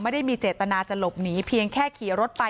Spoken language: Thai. ไม่ได้มีเจตนาจะหลบหนีเพียงแค่ขี่รถไป